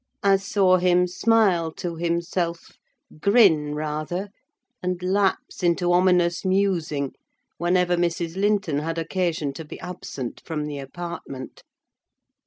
I saw him smile to himself—grin rather—and lapse into ominous musing whenever Mrs. Linton had occasion to be absent from the apartment.